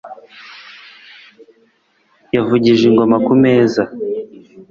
Yavugije ingoma ku meza